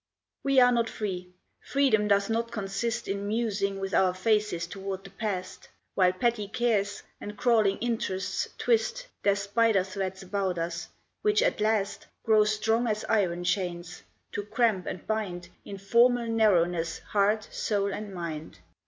We are not free: Freedom doth not consist In musing with our faces toward the Past, While petty cares, and crawling interests, twist Their spider threads about us, which at last Grow strong as iron chains, to cramp and bind In formal narrowness heart, soul, and mind.